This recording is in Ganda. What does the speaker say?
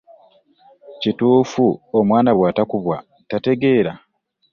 Kituufu omwana bw'atakubwa tategeera?